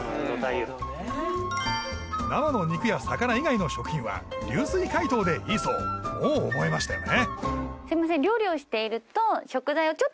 なるほどね生の肉や魚以外の食品は流水解凍でいいそうもう覚えましたよね？